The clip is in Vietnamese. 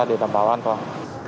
để đảm bảo an toàn